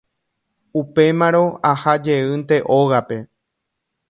upémarõ aha jeýnte ógape